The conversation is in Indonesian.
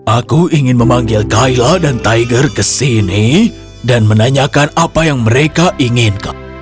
aku ingin memanggil kayla dan tiger ke sini dan menanyakan apa yang mereka inginkan